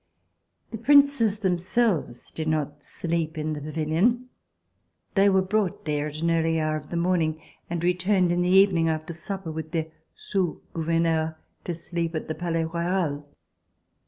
The Princes themselves did not sleep in the pavilion. They were brought there at an early hour of the morning and returned in the evening after supper, with their sous gouverneuTy to sleep at the Palais Royal.